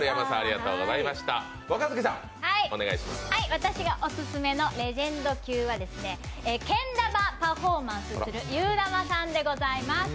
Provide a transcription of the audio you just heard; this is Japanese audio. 私がオススメのレジェンド級はけん玉パフォーマンスするゆーだまさんでございます。